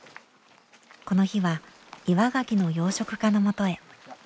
この日は岩ガキの養殖家のもとへ。